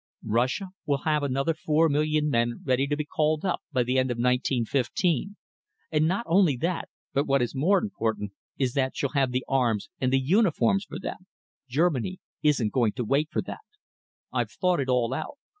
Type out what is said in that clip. Russia will have another four million men ready to be called up by the end of 1915, and not only that, but what is more important, is that she'll have the arms and the uniforms for them. Germany isn't going to wait for that. I've thought it all out.